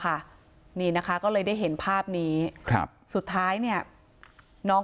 ค่ะนี่นะคะก็เลยได้เห็นภาพนี้ครับสุดท้ายเนี่ยน้อง